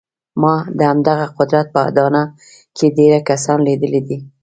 ما د همدغه قدرت په اډانه کې ډېر کسان لیدلي دي